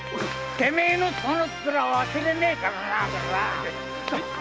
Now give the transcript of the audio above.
てめえのそのツラ忘れねえからな！